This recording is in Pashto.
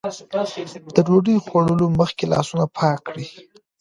د ډوډۍ خوړلو مخکې لاسونه پاک کړئ.